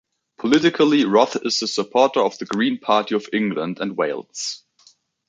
Politically, Roth is a supporter of the Green Party of England and Wales.